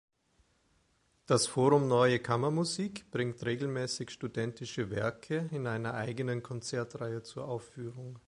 Das Forum Neue Kammermusik bringt regelmäßig studentische Werke in einer eigenen Konzertreihe zur Aufführung.